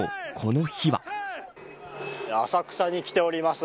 浅草に来ております。